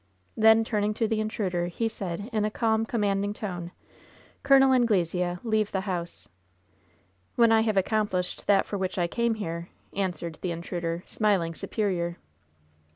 Then turning to the intruder, he said, in a calm, com manding tone : "Col. Anglesea, leave the house." "When I have accomplished that for which I came here," answered the intruder, smiling superior.